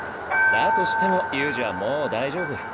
だとしても悠仁はもう大丈夫。